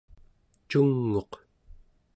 cung'uq